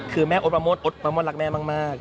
คือแม่โอ๊ตประโมทโอ๊ตประโมทรักแม่มาก